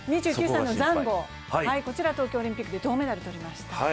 ２９歳のザンゴ、東京オリンピックで銅メダルを取りました。